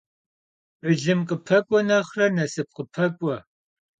Bılım khıpek'u nexhre nasıp khıpek'u.